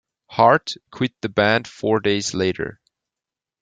Hart quit the band four days later.